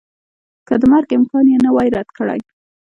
که د مرګ امکان یې نه وای رد کړی